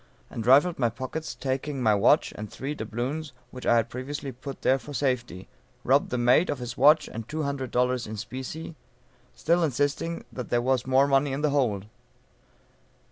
and rifled my pockets, taking my watch, and three doubloons which I had previously put there for safety; robbed the mate of his watch and two hundred dollars in specie, still insisting that there was more money in the hold.